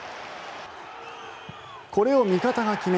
これを味方が決め